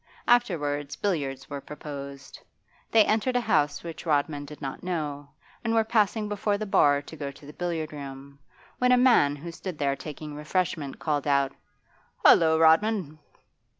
Afterwards billiards were proposed. They entered a house which Rodman did not know, and were passing before the bar to go to the billiard room, when a man who stood there taking refreshment called out, 'Hollo, Rodman!